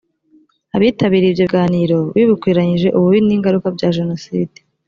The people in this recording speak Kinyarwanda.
abitabiriye ibyo biganiro bibukiranyije ububi n ingaruka bya jenoside